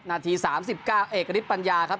นาที๓๙เอกลิฟต์ปัญญาครับ